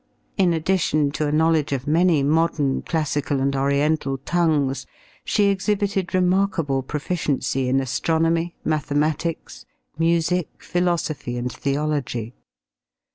In addition to a knowledge of many modern, classical and oriental tongues, she exhibited remarkable proficiency in astronomy, mathematics, music, philosophy and theology.